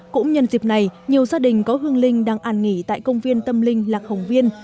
cũng nhân dịp này nhiều gia đình có hương linh đang an nghỉ tại công viên tâm linh lạc hồng viên